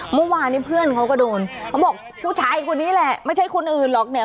เมื่อวานนี้เพื่อนเขาก็โดนเขาบอกผู้ชายคนนี้แหละไม่ใช่คนอื่นหรอกเนี่ย